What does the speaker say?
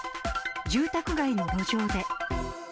住宅街の路上で。